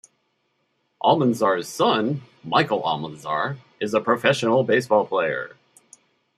Almanzar's son, Michael Almanzar, is a professional baseball player.